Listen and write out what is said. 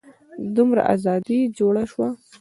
دومره ازادي جوړه شوه.